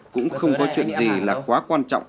cũng không có chuyện gì là quá quan trọng